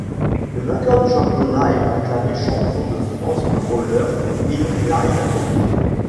Le vainqueur du championnat est proclamé champion de France de roller in line hockey.